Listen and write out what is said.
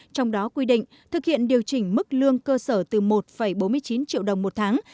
trong đó quy định thực hiện điều chỉnh mức lương cơ sở từ một bốn mươi chín triệu đồng một tháng